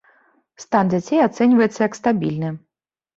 Стан дзяцей ацэньваецца як стабільны.